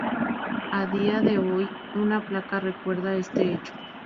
A día de hoy, una placa recuerda este hecho.